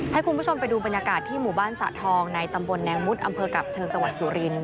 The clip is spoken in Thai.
ให้คุณผู้ชมไปดูบรรยากาศที่หมู่บ้านสะทองในตำบลแนงมุดอำเภอกับเชิงจังหวัดสุรินท